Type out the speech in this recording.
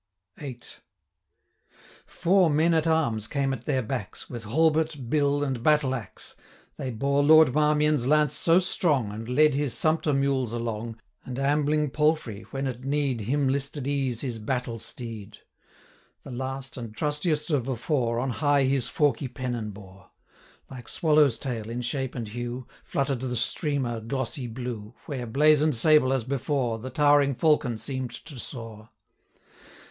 VIII. Four men at arms came at their backs, With halbert, bill, and battle axe: They bore Lord Marmion's lance so strong, 105 And led his sumpter mules along, And ambling palfrey, when at need Him listed ease his battle steed. The last and trustiest of the four, On high his forky pennon bore; 110 Like swallow's tail, in shape and hue, Flutter'd the streamer glossy blue, Where, blazon'd sable, as before, The towering falcon seem'd to soar.